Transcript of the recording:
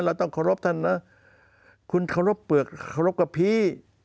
ต้องเคารพท่านนะคุณเคารพเปลือกเคารพกับพี่